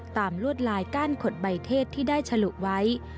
ลวดลายก้านขดใบเทศที่ได้ฉลุไว้